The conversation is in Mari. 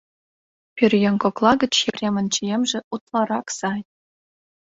Пӧръеҥ кокла гыч Епремын чиемже утларак сай.